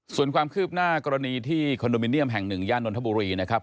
ส่วนความคืบหน้ากรณีที่คอนโดมิเนียมแห่งหนึ่งย่านนทบุรีนะครับ